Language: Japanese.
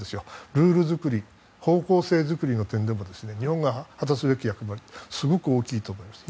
ルール作り、方向性作りの点でも日本が果たすべき役割はすごく大きいと思います。